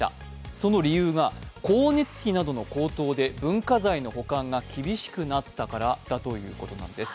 その理由が、光熱費などの高騰で文化財の保管が厳しくなったからということなんです。